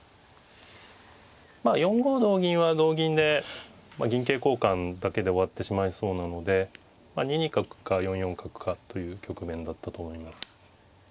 まあ４五同銀は同銀で銀桂交換だけで終わってしまいそうなので２二角か４四角かという局面だったと思います。